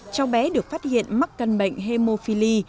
cháu bé được phát hiện mắc căn bệnh hemophili